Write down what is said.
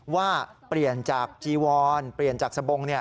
ว่าเปลี่ยนจากจีวอนเปลี่ยนจากสบง